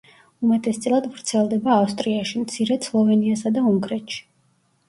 უმეტესწილად ვრცელდება ავსტრიაში, მცირედ სლოვენიასა და უნგრეთში.